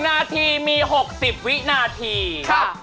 ๑นาทีมี๖๐วินาทีครับครับ